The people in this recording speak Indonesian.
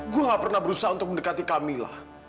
gue gak pernah berusaha untuk mendekati kamilah